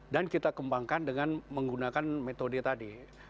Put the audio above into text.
dan kita kembangkan dengan menggunakan metode tadi